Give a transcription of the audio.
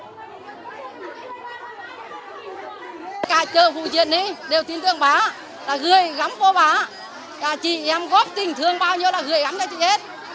cả chờ vụ diện này đều tin tưởng bà gửi gắm cho bà chị em góp tỉnh thương bao nhiêu là gửi gắm cho chị hết